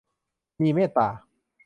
มีเมตตา